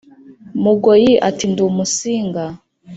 mugoyi ati ndi umusinga